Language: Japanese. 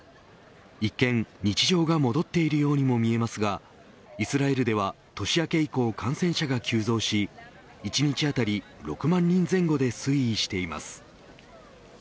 一見、日常が戻っているようにも見えますがイスラエルでは年明け以降感染者が急増し一日当たり６万人前後で推移しています。